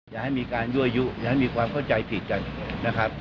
อย่าให้มีการยั่วยุอย่าให้มีความเข้าใจผิดกันนะครับ